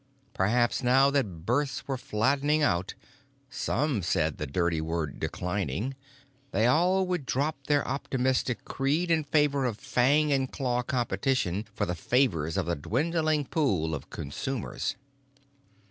Perhaps now that births were flattening out—some said the dirty word "declining"—they all would drop their optimistic creed in favor of fang and claw competition for the favors of the dwindling pool of consumers.